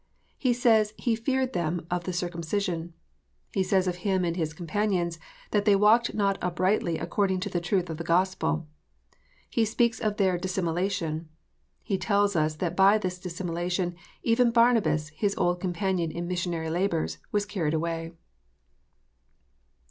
He says "he feared them of the circumcision." He says of him and his companions, that " they walked not uprightly according to the truth of the Gospel." He speaks of their " dissimulation." He tells us that by this dissimulation even Barnabas, his old companion in missionary labours, "was carried away."